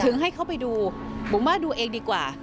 ให้เขาไปดูผมว่าดูเองดีกว่า